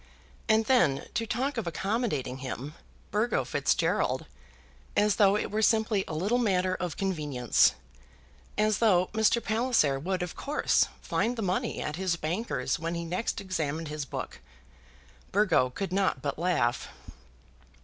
And then to talk of accommodating him, Burgo Fitzgerald, as though it were simply a little matter of convenience, as though Mr. Palliser would of course find the money at his bankers' when he next examined his book! Burgo could not but laugh.